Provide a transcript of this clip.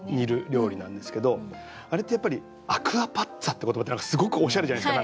あれってやっぱり「アクアパッツァ」って言葉ってのがすごくおしゃれじゃないですか。